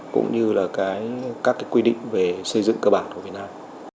cũng như là các quy định về xây dựng cơ bản của việt nam